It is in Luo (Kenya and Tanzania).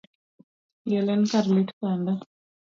Liel en kar lit kende.